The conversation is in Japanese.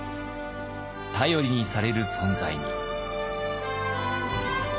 頼りにされる存在に。